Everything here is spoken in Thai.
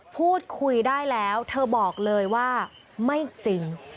พูดคุยได้แล้วเธอบอกเลยว่าไม่จริง